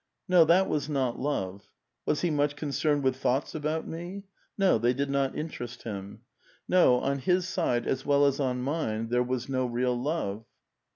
No, that was not love. Was he much concerned with thoughts about me? No; they did not interest him. No, on his side, as well as on mine, there was no real love."